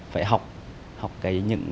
phải học học cái những